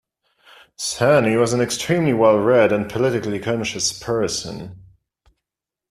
Sahni was an extremely well-read and politically conscious person.